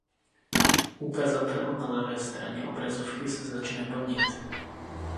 Ukazatel na levé straně obrazovky se začne plnit.